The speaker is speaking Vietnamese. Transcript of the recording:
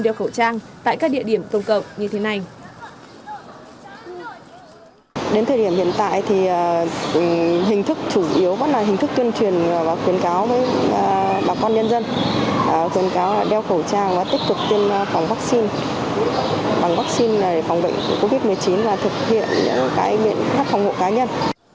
đến thời điểm hiện tại thì hình thức chủ yếu vẫn là hình thức tuyên truyền và khuyến cáo với bà con nhân dân khuyến cáo đeo khẩu trang và tích cực tiêm phòng vaccine phòng vaccine để phòng bệnh covid một mươi chín và thực hiện các phòng hộ cá nhân